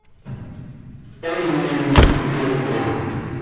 Eenim zo hyooho.